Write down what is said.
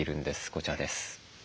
こちらです。